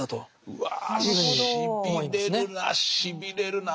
うわしびれるなしびれるなぁ。